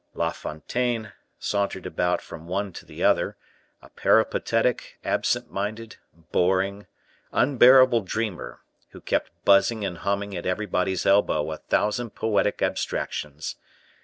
La Fontaine sauntered about from one to the other, a peripatetic, absent minded, boring, unbearable dreamer, who kept buzzing and humming at everybody's elbow a thousand poetic abstractions.